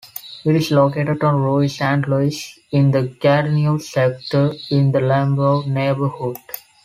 It is located on Rue Saint-Louis in the Gatineau sector in the Limbour neighbourhood.